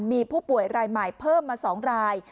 มีผู้ป่วยรายใหม่เพิ่มมา๒ราย